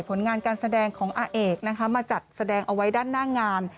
ผลงานการแสดงของอาเอกนะคะมาจัดแสดงเอาไว้ด้านหน้างาน